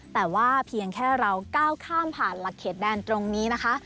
แต่ว่าเพียงแค่เราก้าวข้ามผ่านหลักเขตแดนตรงนี้นะคะ